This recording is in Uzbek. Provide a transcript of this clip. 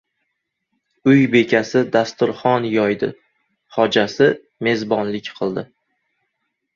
Uy bekasi dasturxon yoydi. Xo‘jasi mezbonlik qildi.